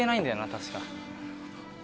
確か。